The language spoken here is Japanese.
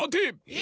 え？